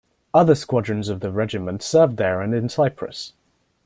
Other Squadrons of the regiment served there and in Cyprus.